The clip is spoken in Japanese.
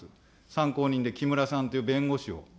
参考人で、木村さんという弁護士を。